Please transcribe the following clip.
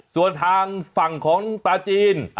ส่วนทางฝั่งของปลาจีน